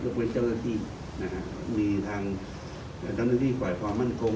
ลงไปเจ้าหน้าที่มีทางนะคะเจ้าหน้าที่ไขว่ภาคมั่นคลุม